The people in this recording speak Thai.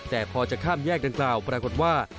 แต่พอจะข้ามแยกดังกล่าวปรากฏว่า